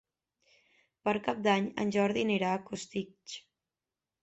Per Cap d'Any en Jordi anirà a Costitx.